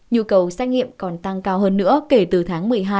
nhu cầu xét nghiệm còn tăng cao hơn nữa kể từ tháng một mươi hai